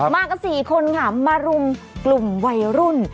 มากัน๔คนค่ะมารุมกลุ่มวัยรุ่น